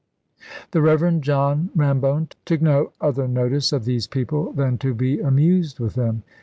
The Reverend John Rambone took no other notice of these people than to be amused with them.